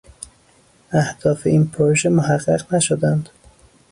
اهداف این پروژه محقق نشدند